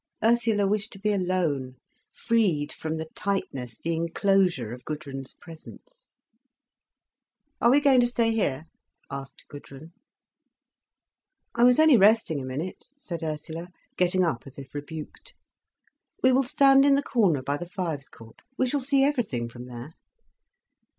Ursula wished to be alone, freed from the tightness, the enclosure of Gudrun's presence. "Are we going to stay here?" asked Gudrun. "I was only resting a minute," said Ursula, getting up as if rebuked. "We will stand in the corner by the fives court, we shall see everything from there."